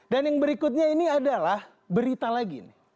dan yang berikutnya ini adalah berita lagi nih